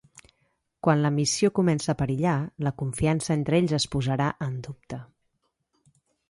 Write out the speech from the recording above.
Quan la missió comença a perillar, la confiança entre ells es posarà en dubte.